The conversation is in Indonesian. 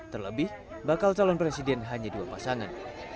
terlebih bakal calon presiden hanya dua pasangan